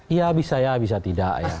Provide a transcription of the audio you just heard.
iya bisa ya bisa tidak ya